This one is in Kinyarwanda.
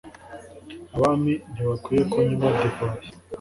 abami ntibakwiye kunywa divayi